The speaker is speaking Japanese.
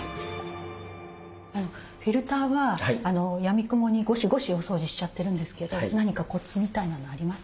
フィルターはやみくもにゴシゴシお掃除しちゃってるんですけど何かコツみたいなのありますか？